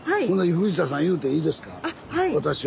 藤田さん言うていいですか？